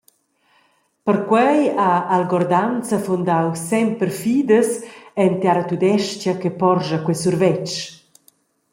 Perquei ha Algordanza fundau «Semper Fides» en Tiaratudestga che porscha quei survetsch.